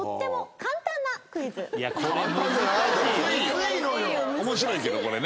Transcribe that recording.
面白いけどこれね。